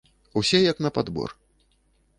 Усе як на падбор.